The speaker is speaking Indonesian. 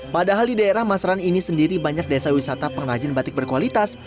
padahal di daerah masran ini sendiri banyak desa wisata pengrajin batik berkualitas